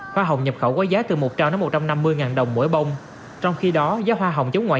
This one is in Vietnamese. hoa hồng nhập khẩu có giá từ một trăm linh một trăm năm mươi ngàn đồng mỗi bông trong khi đó giá hoa hồng chống ngoại